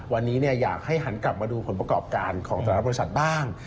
วันนี้อยากให้หันกลับมาดูผลประกอบการของแต่ละบริษัทบ้าง